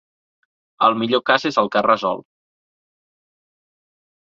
El millor cas és el cas resolt.